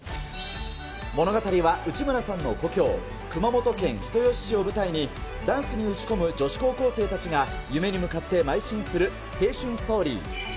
物語は、内村さんの故郷、熊本県人吉市を舞台に、ダンスに打ち込む女子高校生たちが、夢に向かってまい進する青春ストーリー。